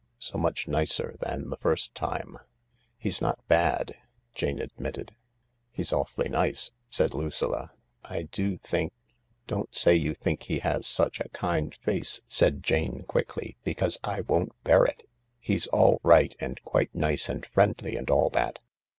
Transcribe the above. " So much nicer than the first time." " He's not bad," Jane admitted. "He's awfully nice," said Lucilla. "I do think—" "Don't say you think he has such a kind face," said Jane quickly, " because I won't bear it. He's all right, and quite nice and friendly and all that.